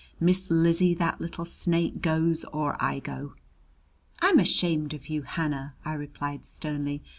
"Miss Lizzie, that little snake goes or I go!" "I'm ashamed of you, Hannah!" I replied sternly.